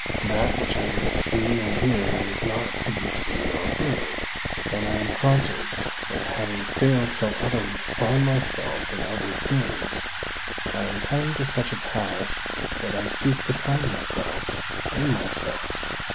That which I would see and hear is not to be seen or heard^ and I am conscious that having failed so utterly to find myself in outward things, I am coming to such a pass that I cease to find myself in myself.